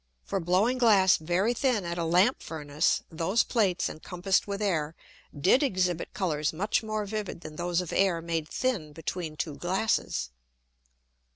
For blowing Glass very thin at a Lamp Furnace, those Plates encompassed with Air did exhibit Colours much more vivid than those of Air made thin between two Glasses.